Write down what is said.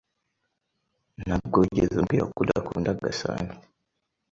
Ntabwo wigeze umbwira ko udakunda Gasana